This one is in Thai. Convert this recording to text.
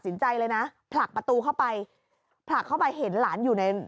ใจเลยนะผลักประตูเข้าไปผลักเข้าไปเห็นหลานอยู่ใน